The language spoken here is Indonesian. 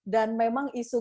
dan memang isu